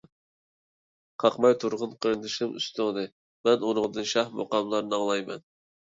قاقماي تۇرغىن قېرىندىشىم ئۈستۈڭنى، مەن ئۇنىڭدىن شاھ مۇقاملار ئاڭلاي مەن.